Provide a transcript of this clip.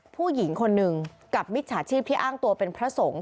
ผู้หญิงคนหนึ่งกับมิจฉาชีพที่อ้างตัวเป็นพระสงฆ์